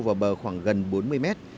vào bờ khoảng gần bốn mươi mét